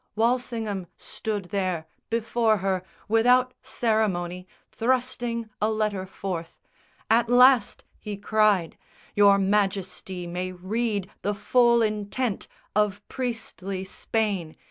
Walsingham Stood there, before her, without ceremony Thrusting a letter forth: "At last," he cried, "Your Majesty may read the full intent Of priestly Spain.